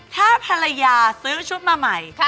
ถ้าภรรยาซื้อชุดมาใหม่